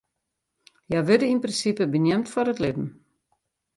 Hja wurde yn prinsipe beneamd foar it libben.